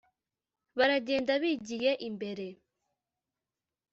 Baragenda bigiye imbere